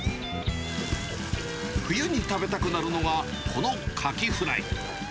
冬に食べたくなるのが、このカキフライ。